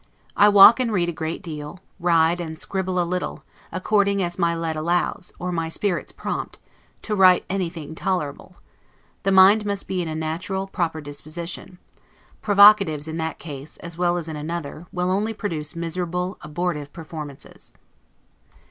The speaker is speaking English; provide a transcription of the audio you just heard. I walk and read a great deal, ride and scribble a little, according as my lead allows, or my spirits prompt; to write anything tolerable, the mind must be in a natural, proper disposition; provocatives, in that case, as well as in another, will only produce miserable, abortive performances.